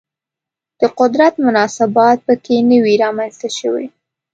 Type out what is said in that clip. د قدرت مناسبات په کې نه وي رامنځته شوي